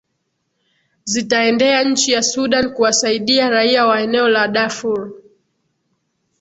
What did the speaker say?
zitaendea nchi ya sudan kuwasaidia raia wa eneo la darfur